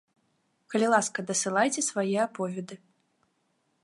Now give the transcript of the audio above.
Калі ласка, дасылайце свае аповеды.